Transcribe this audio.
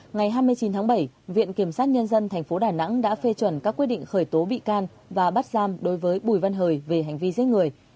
ngày hai mươi chín tháng bảy viện kiểm sát nhân dân tp đà nẵng đã phê chuẩn các quyết định khởi tố bị can và bắt giam đối với bùi văn hời về hành vi giết người